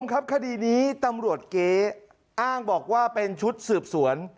ครับคดีนี้ตำรวจเก๊อ้างบอกว่าเป็นชุดสืบสวน